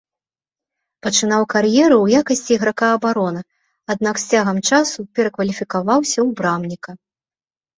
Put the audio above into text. Пачынаў кар'еру ў якасці іграка абароны, аднак з цягам часу перакваліфікаваўся ў брамніка.